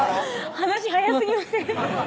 話早すぎません？